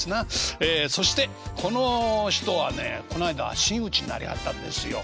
ええそしてこの人はねこの間真打ちになりはったんですよ。